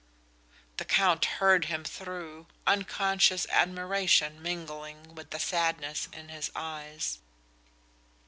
The Count heard him through, unconscious admiration mingling with the sadness in his eyes.